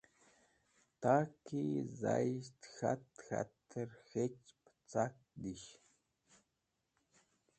Toki zayisht k̃hat k̃hatẽr k̃hech pẽcak disht.